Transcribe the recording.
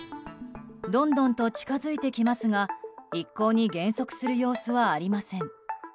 どんどんと近づいてきますが一向に減速する様子はありません。